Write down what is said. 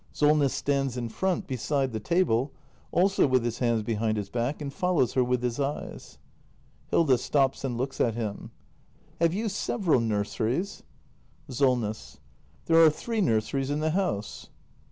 Solness stands in front, beside the table, also with his hands behind his back, and follows her with his eyes. Hilda. [Stops and looks at him.] Have you several nurseries ? Solness. There are three nurseries in the house.